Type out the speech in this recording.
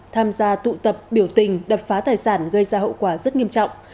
tham gia tụ tập biểu tình đập phá tài sản gây ra hậu quả rất nghiêm trọng